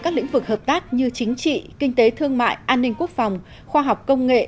các lĩnh vực hợp tác như chính trị kinh tế thương mại an ninh quốc phòng khoa học công nghệ